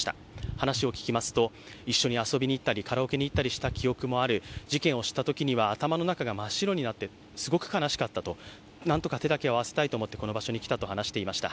話を聞きますと、一緒に遊びに行ったり、カラオケに行ったりした記憶もある、事件を知ったときには、頭の中が真っ白になって、すごく悲しかったと何とか手だけを合わせたいと思って、この場所に来たと話していました。